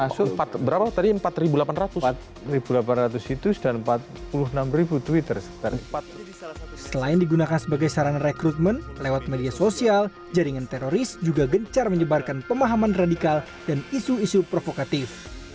selain digunakan sebagai sarana rekrutmen lewat media sosial jaringan teroris juga gencar menyebarkan pemahaman radikal dan isu isu provokatif